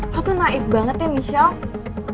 lo tuh naib banget ya michelle